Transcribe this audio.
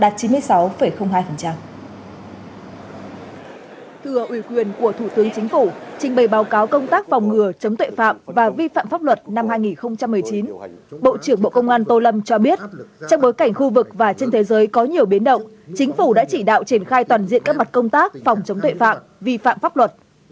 thưa ủy quyền của thủ tướng chính phủ trình bày báo cáo công tác phòng ngừa chống tuệ phạm và vi phạm pháp luật năm hai nghìn một mươi chín bộ trưởng bộ công an tô lâm cho biết trong bối cảnh khu vực và trên thế giới có nhiều biến động chính phủ đã chỉ đạo triển khai toàn diện các mặt công tác phòng chống tuệ phạm vi phạm pháp luật